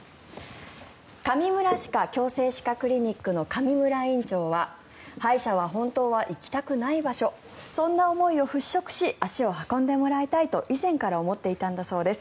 かみむら歯科・矯正歯科クリニックの上村院長は歯医者は本当は行きたくない場所そんな思いを払しょくし足を運んでもらいたいと以前から思っていたんだそうです。